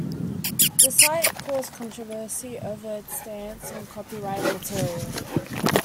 The site caused controversy over its stance on copyrighted material.